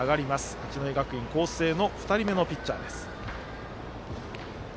八戸学院光星の２人目のピッチャーです。